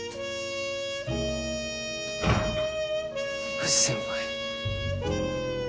藤先輩。